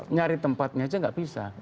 nyari tempatnya aja nggak bisa